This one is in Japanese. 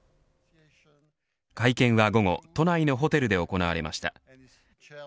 会見は午後都内のホテルで行われました。